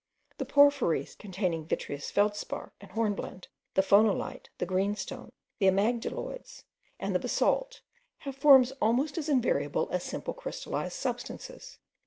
The porphyries containing vitreous feldspar and hornblende, the phonolite, the greenstone, the amygdaloids, and the basalt, have forms almost as invariable as simple crystallized substances.